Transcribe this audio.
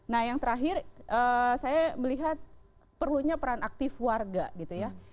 nah yang terakhir saya melihat perlunya peran aktif warga gitu ya